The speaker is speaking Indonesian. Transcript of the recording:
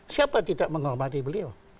siapa tidak menghormati beliau